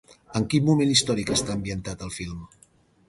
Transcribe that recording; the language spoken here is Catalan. En quin moment històric està ambientat el film?